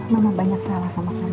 mama banyak salah sama kami